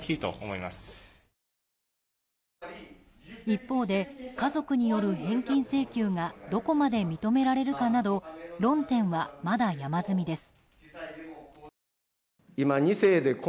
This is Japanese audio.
一方で、家族による返金請求がどこまで認められるかなど論点はまだ山積みです。